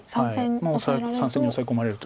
もう３線にオサエ込まれると。